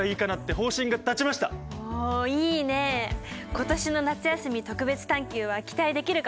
今年の夏休み特別探究は期待できるかも。